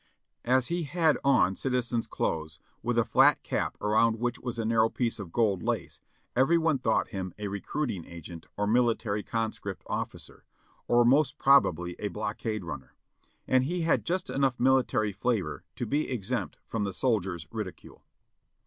As he had on citizen's clothes, with a flat cap around which was a narrow piece of gold lace, every one thought him a recruiting agent or military conscript officer, or most prob ably a blockade runner, and he had just enough military flavor to be exempt from the soldiers' ridicule.